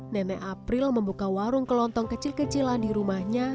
nenek april membuka warung kelontong kecil kecilan di rumahnya